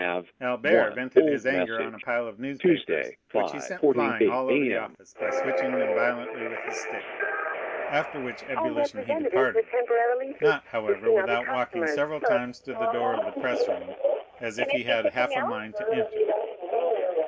Albert vented his anger on a pile of newspapers, which he sent flying all over the office by switching them violently with his stick; after which ebullition he departed—not, however, without walking several times to the door of the press room, as if he had half a mind to enter.